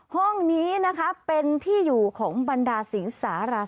ห้องนี้นะคะเป็นที่อยู่ของบรรดาศีสารสัตว์ตะขาบ